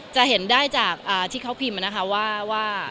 จะเห็นได้จากที่เขาพิมพ์มานะคะว่า